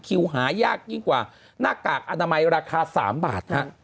หายากยิ่งกว่าหน้ากากอนามัยราคา๓บาท